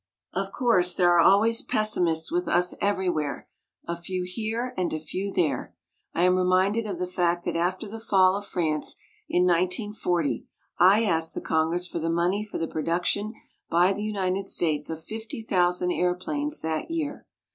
Of course, there are always pessimists with us everywhere, a few here and a few there. I am reminded of the fact that after the fall of France in 1940 I asked the Congress for the money for the production by the United States of fifty thousand airplanes that year.